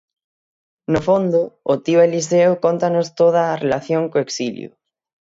No fondo, o tío Eliseo cóntanos toda a relación co exilio.